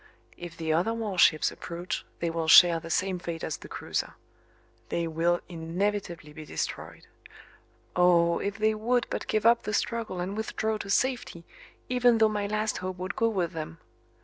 If the other warships approach they will share the same fate as the cruiser. They will inevitably be destroyed. Oh! if they would but give up the struggle and withdraw to safety, even though my last hope would go with them!